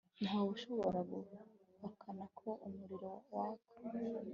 Ntawe ushobora guhakana ko umuriro waka